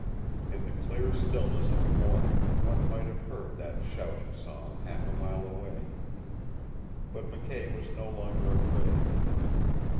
In the clear stillness of the morning one might have heard that shouting song half a mile away. But McKay was no longer afraid.